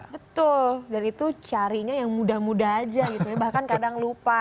betul dan itu carinya yang muda muda aja gitu ya bahkan kadang lupa